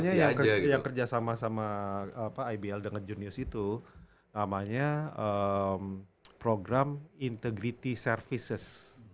makanya yang kerja sama sama ibl dengan junius itu namanya program integrity services